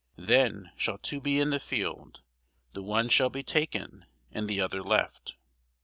Then shall two be in the field; the one shall be taken, and the other left.